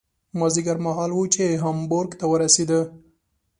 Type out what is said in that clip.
مازدیګر مهال و چې هامبورګ ته ورسېدو.